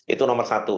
itu nomor satu